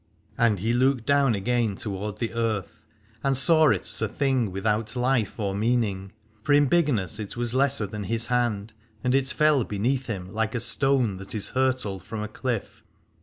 And he looked down again toward the earth, and saw it as a thing without life or meaning : for in bigness it was lesser than his hand, and it fell beneath him like a stone that is hurtled from a cliff.